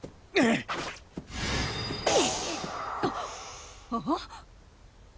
あっあぁっ⁉